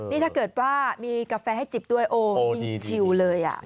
นี่ถ้าเกิดว่ามีกาแฟให้จิบด้วยโอ้ยิ่งชิวเลยอ่ะ